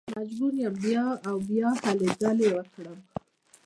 مجبوره یم بیا او بیا هلې ځلې وکړم.